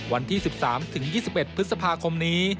วันที่๑๓๒๑พฤษภาคมนี้